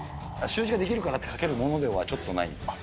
習字ができるからって、書けるものでは、ちょっとない。